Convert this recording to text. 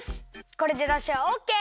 これでだしはオッケー！